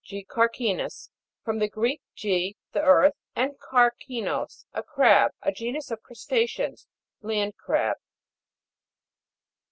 GECAR'CINUS. From the Greek, ge, the earth, and karkinos, a crab. A genus of crusta'ceans. Land crab.